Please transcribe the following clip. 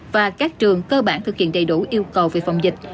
và các trường cơ bản thực hiện đầy đủ yêu cầu về phòng dịch